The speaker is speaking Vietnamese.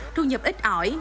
thu nhập ít ỏi